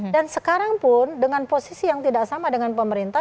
dan sekarang pun dengan posisi yang tidak sama dengan pemerintah